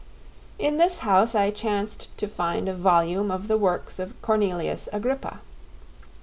In this house I chanced to find a volume of the works of Cornelius Agrippa.